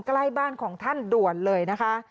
ใกล้บ้านของท่านด่วนเลยนะคะ